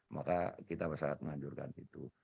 maka kita sangat menganjurkan itu